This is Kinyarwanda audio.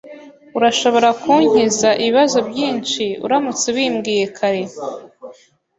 Urashobora kunkiza ibibazo byinshi uramutse ubimbwiye kare.